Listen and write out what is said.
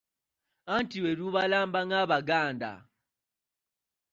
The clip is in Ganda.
Anti lwe lubalamba ng'Abaganda.